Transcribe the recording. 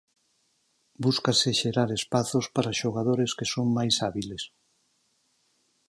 Búscase xerar espazos para xogadores que son máis hábiles.